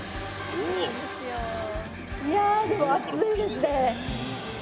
いやぁでも暑いですね。